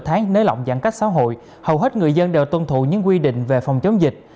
tháng nới lỏng giãn cách xã hội hầu hết người dân đều tuân thủ những quy định về phòng chống dịch